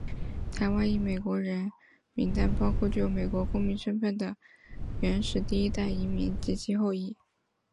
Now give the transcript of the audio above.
台湾裔美国人名单包括具有美国公民身份的原始第一代移民及其后裔。